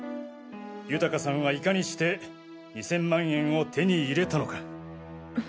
豊さんはいかにして２０００万円を手に入れたのか？